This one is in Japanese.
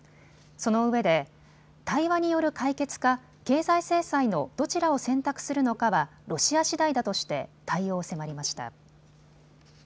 そのうえで対話による解決か経済制裁のどちらを選択するのかはロシアしだいだとして対応を迫りました。